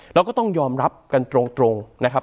เราก็ต้องยอมรับกันตรงนะครับ